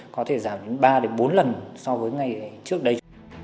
có thể giảm đến ba bốn lần so với ngày trước đây